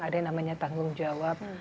ada yang namanya tanggung jawab